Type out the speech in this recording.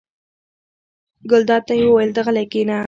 ګلداد ته یې وویل: ته غلی کېنه.